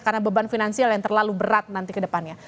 karena beban finansial yang terlalu berat nanti ke depannya